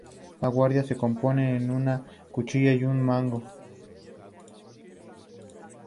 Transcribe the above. Estaban divididos en muchas bandas independientes, poco organizadas y con líderes únicamente nominales.